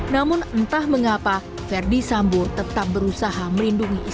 namun entah mengapa ferdi sambo tetap berusaha melindungi istrinya